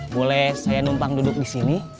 boleh saya numpang duduk di sini